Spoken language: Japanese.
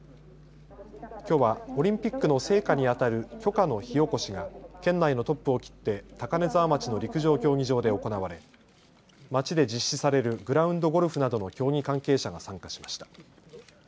きょうはオリンピックの聖火にあたる炬火の火おこしが県内のトップを切って高根沢町の陸上競技場で行われ町で実施されるグラウンド・ゴルフなどの競技関係者が参加しました。